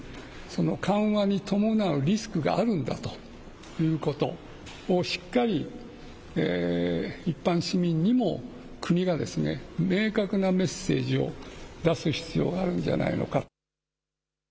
その緩和に伴うリスクがあるんだということをしっかり一般市民にも国が明確なメッセージを出す必要があるんじゃないのか。